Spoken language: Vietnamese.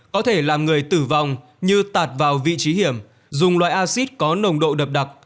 có thể làm người tử vong như tạt vào vị trí hiểm dùng loại acid có nồng độ độc đặc